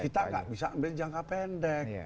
kita nggak bisa ambil jangka pendek